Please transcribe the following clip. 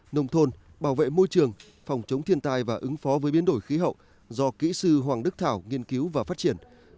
nông thôn bảo vệ môi trường phòng chống thiên tai và ứng phó với biến đổi khí hậu do kỹ sư hoàng đức thảo nghiên cứu và phát triển